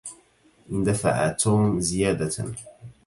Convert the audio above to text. اندفع توم زيادة.